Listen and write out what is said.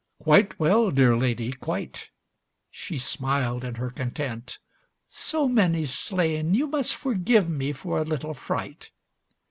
"Quite well, dear Lady, quite." She smiled in her content. "So many slain, You must forgive me for a little fright."